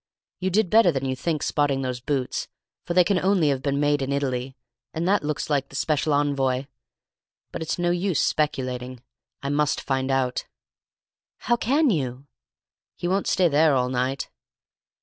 You did better than you think in spotting those boots, for they can only have been made in Italy, and that looks like the special envoy. But it's no use speculating. I must find out." "How can you?" "He won't stay there all night."